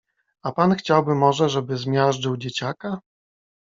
A pan chciałby może, żeby zmiażdżył dzieciaka?